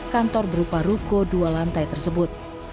kantor berupa ruko dua lantai tersebut